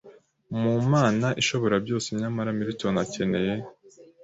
mu mana ishobora byose nyamara Milton akeneye